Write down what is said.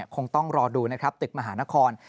คงต้องรอดูนะครับตึกมหานคร